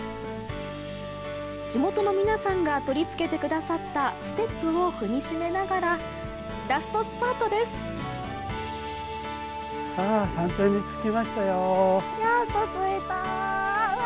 地元の皆さんが取り付けて下さったステップを踏み締めながらラストスパートですうわ！